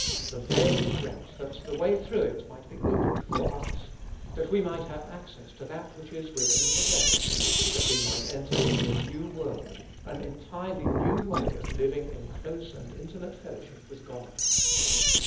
The veil was rent that the way through it might be opened for us ; that we might have access to that which is within the veil; that we might enter into a new world, an entirely new way of living in close and intimate fellowship with God.